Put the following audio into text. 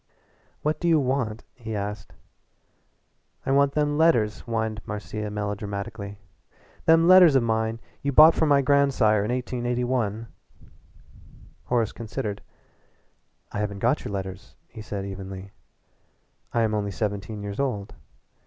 "What do you want?" he asked. "I want them letters," whined Marcia melodramatically "them letters of mine you bought from my grandsire in 1881." Horace considered. "I haven't got your letters," he said evenly. "I am only seventeen years old.